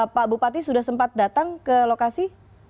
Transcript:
pak bupati sudah sempat datang ke lokasi